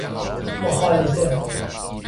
مخالطه